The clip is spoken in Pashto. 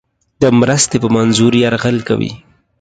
د مرستې په منظور یرغل کوي.